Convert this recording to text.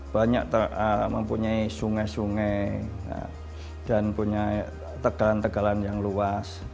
banyak mempunyai sungai sungai dan punya tegalan tegalan yang luas